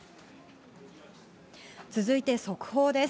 続いて速報です。